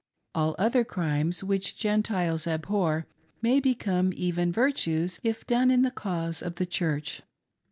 All other crimes which Gentiles abhor may become even virtues, if done in the cause of the Church.